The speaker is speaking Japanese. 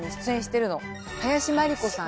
林真理子さん